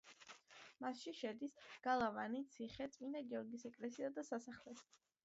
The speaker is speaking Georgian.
მასში შედის: გალავანი, ციხე, წმინდა გიორგის ეკლესია და სასახლე.